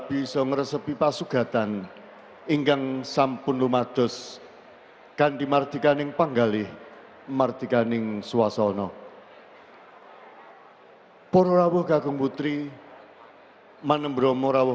purrawuh kagung putri manen beromorawuh panjenengan ingri kalangan meniku